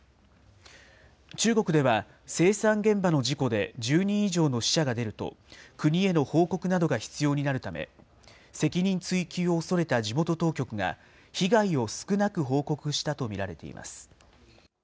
中国では生産現場の事故で１０人以上の死者が出ると、国への報告などが必要になるため、責任追及を恐れた地元当局が、被害を少なく報告したと見られています。